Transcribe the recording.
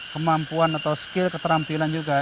kemampuan atau skill keterampilan juga